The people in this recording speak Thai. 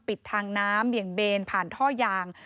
ปิดทางน้ำเบี่ยงเบนผ่านท่อยาง